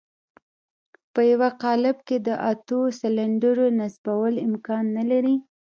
په يوه قالب کې د اتو سلنډرو نصبول امکان نه لري.